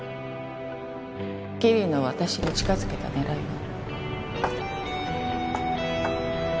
桐野を私に近づけた狙いは？